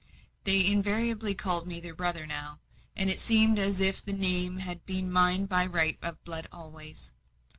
They invariably called me their brother now; and it seemed as if the name had been mine by right of blood always.